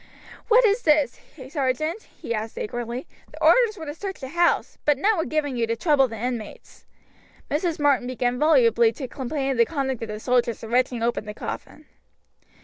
"What is this, sergeant?" he asked angrily. "The orders were to search the house, but none were given you to trouble the inmates." Mrs. Martin began volubly to complain of the conduct of the soldiers in wrenching open the coffin.